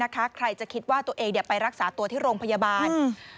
ใครจะคิดว่าตัวเองไปรักษาตัวที่โรงพยาบาล